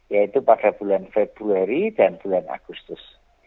yaitu pada bulan februari dan bulan agustus